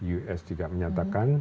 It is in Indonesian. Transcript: us juga menyatakan